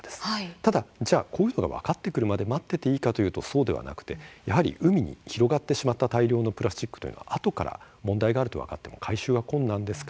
ただ分かってくるまで待っていていいかというと、そうではなく、海に広がってしまった大量のプラスチックというのはあとから問題があると分かっても回収は困難です。